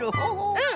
うん！